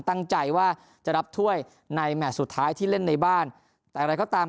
ตั้งใจว่าจะรับถ้วยในแมทสุดท้ายที่เล่นในบ้านแต่อะไรก็ตาม